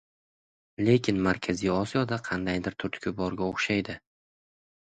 lekin Markaziy Osiyoda qandaydir turtki borga oʻxshaydi.